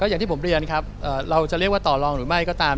อย่างที่ผมเรียนครับเราจะเรียกว่าต่อรองหรือไม่ก็ตาม